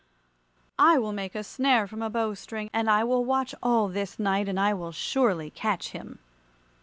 I will make a snare from a bow string, and I will watch all this night, and I will surely catch him."